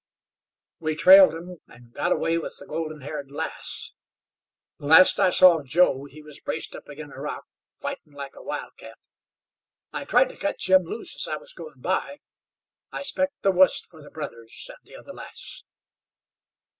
"We trailed 'em an' got away with the golden haired lass. The last I saw of Joe he was braced up agin a rock fightin' like a wildcat. I tried to cut Jim loose as I was goin' by. I s'pect the wust fer the brothers an' the other lass."